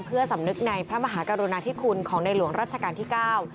เพื่อสำนึกในพระมหากรุณาธิคุณของในหลวงรัชกาลที่เก้า